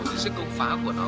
thì sức công phá của nó